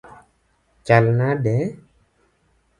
Chal nade?